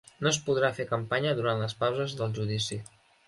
No es podrà fer campanya durant les pauses del judici